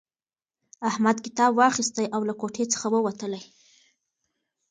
احمد کتاب واخیستی او له کوټې څخه ووتلی.